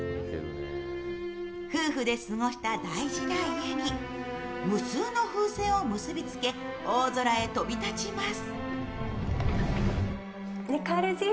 夫婦で過ごした大事な家に無数の風船を結びつけ、大空へ飛び立ちます。